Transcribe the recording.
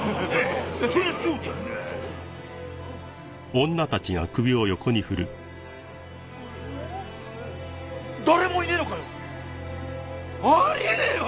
そりゃそうだな誰もいねえのかよあり得ねえよ！